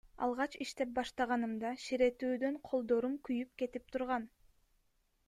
Алгач иштеп баштаганымда ширетүүдөн колдорум күйүп кетип турган.